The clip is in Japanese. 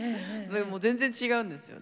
全然違うんですよね。